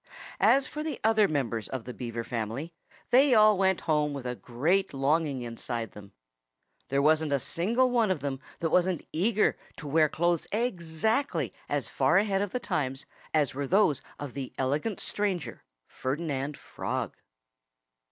As for the other members of the Beaver family, they all went home with a great longing inside them. There wasn't a single one of them that wasn't eager to wear clothes exactly as far ahead of the times as were those of the elegant stranger, Ferdinand Frog.